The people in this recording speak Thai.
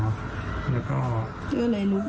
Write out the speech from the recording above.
ครับจากนั้นก็เลยอยู่เลย